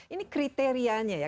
ini kriterianya ya